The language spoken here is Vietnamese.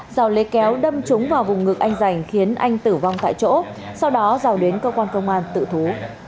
rào lấy kéo đâm trúng vào vùng ngực anh giành khiến anh tử vong tại chỗ sau đó giàu đến cơ quan công an tự thú